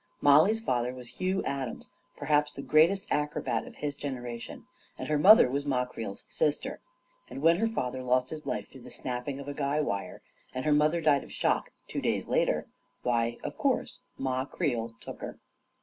Mollie's father was Hugh Adams, perhaps the greatest acrobat of his generation, and her mother was Ma Creel's sister, and when her father lost his life through the snapping of a guy wire, and her mother died of shock two days later, why, of course. Ma Creel took her.